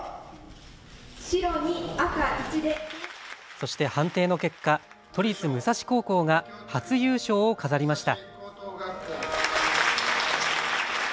そして判定の結果、都立武蔵高校が初優勝を飾りました。